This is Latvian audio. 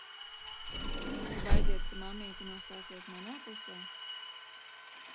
Tu baidies, ka mammīte nostāsies manā pusē?